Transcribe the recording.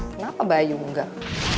kenapa bayu gak